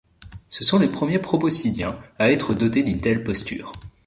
Ce sont les premiers proboscidiens à être doté d'une telle posture.